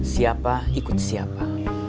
siapa ikut siapa